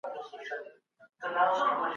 دفاع وزارت نظامي تمرینات نه ترسره کوي.